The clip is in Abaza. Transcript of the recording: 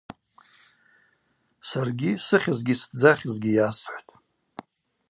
Саргьи сыхьызи стдзахьызи йасхӏвтӏ.